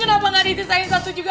kenapa gak didesain satu juga